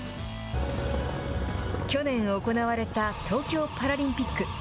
去年行われた東京パラリンピック。